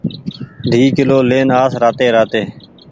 ۮي ڪلو لين آس راتي راتي